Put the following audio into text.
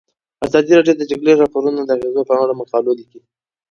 ازادي راډیو د د جګړې راپورونه د اغیزو په اړه مقالو لیکلي.